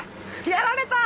やられた！